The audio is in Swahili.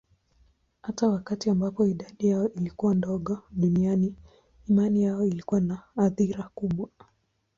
Hata wakati ambapo idadi yao ilikuwa ndogo duniani, imani yao ilikuwa na athira kubwa.